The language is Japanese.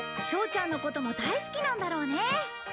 しょうちゃんのことも大好きなんだろうね。